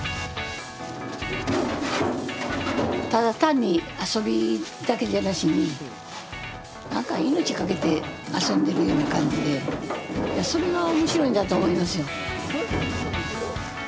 ただ単に遊びだけじゃなしに何か命かけて遊んでるような感じでそれが面白いんだと思いますよ。